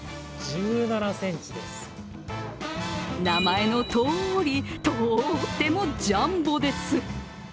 名前のとおり、とってもジャンボです。